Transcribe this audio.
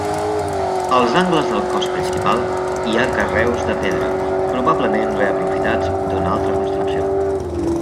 Als angles del cos principal hi ha carreus de pedra, probablement reaprofitats d'una altra construcció.